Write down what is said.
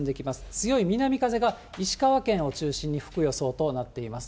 強い南風が石川県を中心に吹く予想となっています。